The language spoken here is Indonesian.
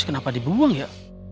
kenapa dibuang ya